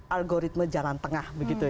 algoritma jalan tengah